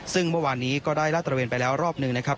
ซึ่งเมื่อวานนี้ก็ได้ลาดตระเวนไปแล้วรอบหนึ่งนะครับ